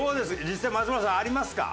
実際松村さんありますか？